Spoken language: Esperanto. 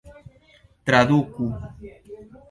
traduku